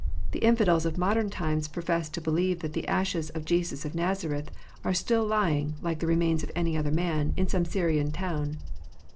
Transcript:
The infidels of modern times profess to believe that the ashes of Jesus of Nazareth are still lying, like the remains of any other man, in some Syrian town.